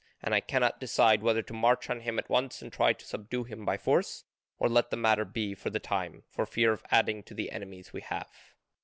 And I cannot decide whether to march on him at once and try to subdue him by force, or let the matter be for the time, for fear of adding to the enemies we have."